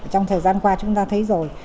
trong thời gian qua chúng ta thấy rồi